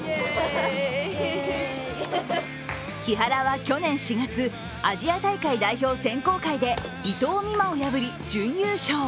木原は去年４月、アジア大会代表選考会で伊藤美誠を破り準優勝。